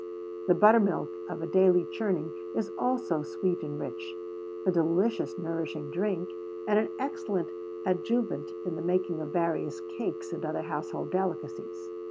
The buttermilk of a daily churning is also sweet and rich, a delicious nourishing drink, and an excellent adjuvant in the making of various cakes and other household delicacies.